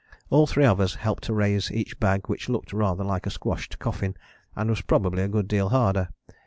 All three of us helped to raise each bag, which looked rather like a squashed coffin and was probably a good deal harder.